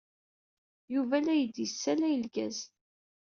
Yuba la iyi-d-yessalay lgaz.